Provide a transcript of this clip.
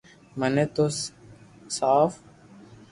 مني ترساوُ